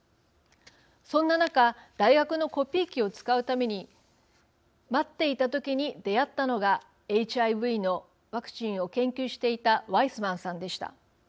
そんな中大学のコピー機を使うために待っていた時に出会ったのがＨＩＶのワクチンを研究していたワイスマンさんでした。